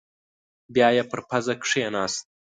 بيايې پر پزه کېناست.